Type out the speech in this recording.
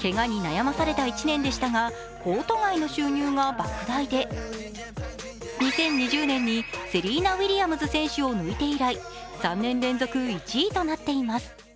けがに悩まされた１年でしたが、コート外の収入がばく大で２０２０年にセリーナ・ウィリアムズ選手を抜いて以来３年連続１位となっています。